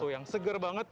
yang segar banget